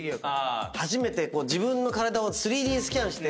初めて自分の体を３Ｄスキャンして。